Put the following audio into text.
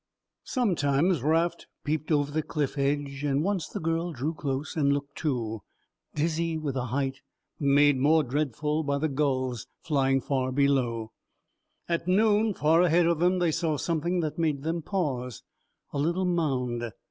Sometimes Raft peeped over the cliff edge and once the girl drew close and looked, too, dizzy with the height, made more dreadful by the gulls flying far below. At noon, far ahead of them, they saw something that made them pause; a little mound.